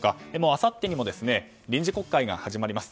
あさってにも臨時国会が始まります。